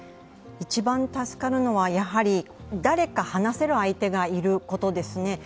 一番助かるのは、誰が話せる相手がいることですね。